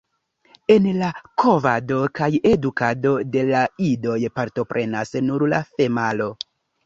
En la kovado kaj edukado de la idoj partoprenas nur la femalo.